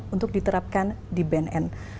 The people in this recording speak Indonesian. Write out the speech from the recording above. untuk diterapkan di bnn